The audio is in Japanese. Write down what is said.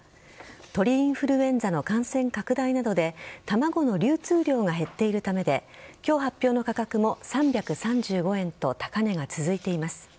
鳥インフルエンザの感染拡大などで卵の流通量が減っているためで今日発表の価格も３３５円と高値が続いています。